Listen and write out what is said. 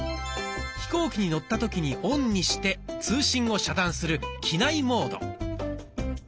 飛行機に乗った時にオンにして通信を遮断する「機内モード」。